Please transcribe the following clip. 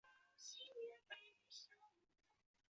林翰生于清朝光绪四年。